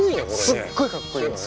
すっごいかっこいい。